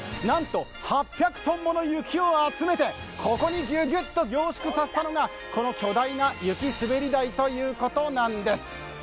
なんと、８００ｔもの雪を集めてここにギュギュッと凝縮させたのがこの巨大な雪滑り台ということなんです。